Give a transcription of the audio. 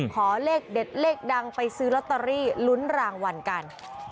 ขอเลขเด็ดเลขดังไปซื้อลอตเตอรี่ลุ้นรางวัลกัน